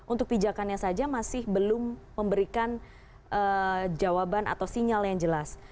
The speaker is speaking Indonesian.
untuk pijakannya saja masih belum memberikan jawaban atau sinyal yang jelas